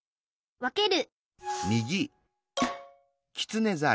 わける